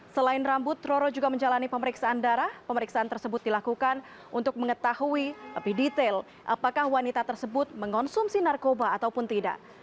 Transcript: selain rambut roro juga menjalani pemeriksaan darah pemeriksaan tersebut dilakukan untuk mengetahui lebih detail apakah wanita tersebut mengonsumsi narkoba ataupun tidak